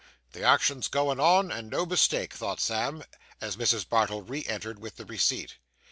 'The action's going on, and no mistake,' thought Sam, as Mrs. Bardell re entered with the receipt.